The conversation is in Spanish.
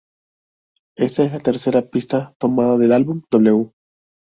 Esta es la tercera pista tomada del álbum "W".